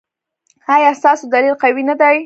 ایا ستاسو دلیل قوي نه دی؟